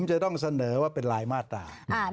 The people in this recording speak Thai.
จะต้องเสนอว่าเป็นรายมาตรา